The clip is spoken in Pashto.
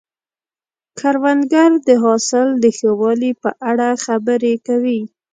کروندګر د حاصل د ښه والي په اړه خبرې کوي